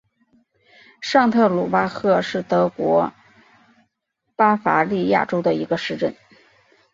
上特鲁巴赫是德国巴伐利亚州的一个市镇。